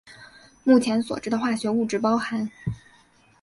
目前所知的化学物质包含。